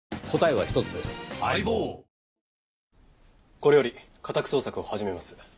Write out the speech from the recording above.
これより家宅捜索を始めます。